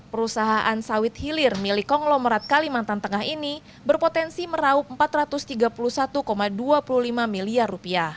perusahaan sawit hilir milik konglomerat kalimantan tengah ini berpotensi meraup rp empat ratus tiga puluh satu dua puluh lima miliar